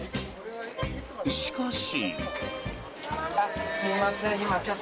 しかし。